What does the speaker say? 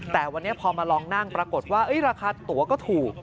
แต่วันนี้พอมาลองนั่งปรากฏว่าราคาตัวก็ถูก